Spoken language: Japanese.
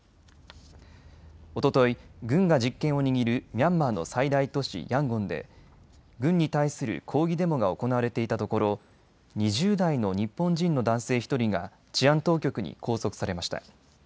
おととい軍が実権を握るミャンマーの最大都市ヤンゴンで軍に対する抗議デモが行われていたところ、２０代の日本人の男性１人が治安当局に拘束されました。